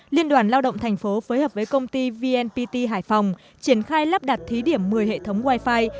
liên đoàn lao động thành phố phối hợp với công ty vnpt hải phòng triển khai lắp đặt thí điểm một mươi hệ thống wifi